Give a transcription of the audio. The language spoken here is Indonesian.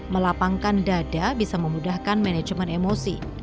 melapangkan dada bisa memudahkan manajemen emosi